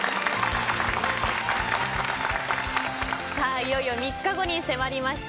いよいよ３日後に迫りました